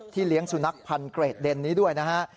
เลี้ยงสุนัขพันธ์เกรดเดนนี้ด้วยนะฮะ